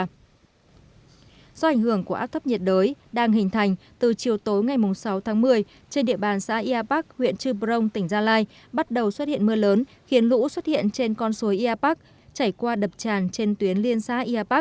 do ảnh hưởng của áp thấp nhiệt đới đang hình thành từ chiều tối ngày sáu tháng một mươi trên địa bàn xã yà bắc huyện trư brông tỉnh gia lai bắt đầu xuất hiện mưa lớn khiến lũ xuất hiện trên con suối iapak chảy qua đập tràn trên tuyến liên xã iapap